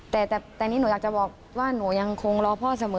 แต่นี่หนูอยากจะบอกว่าหนูยังคงรอพ่อเสมอ